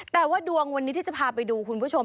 แต่ว่าดวงวันนี้ที่จะพาไปดูคุณผู้ชม